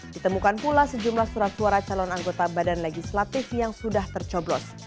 ditemukan pula sejumlah surat suara calon anggota badan legislatif yang sudah tercoblos